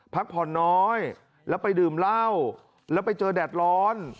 พักผ่อนน้อยแล้วไปดื่มเหล้าแล้วไปเจอแดดร้อน